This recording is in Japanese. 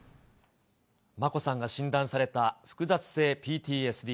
眞子さんが診断された複雑性ＰＴＳＤ。